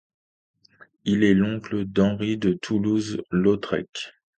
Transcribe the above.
Il est l'oncle d'Henri de Toulouse-Lautrec.